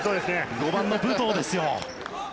５番の武藤ですよ。